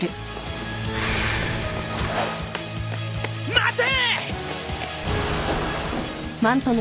待て！